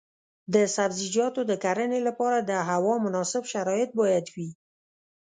د سبزیجاتو د کرنې لپاره د هوا مناسب شرایط باید وي.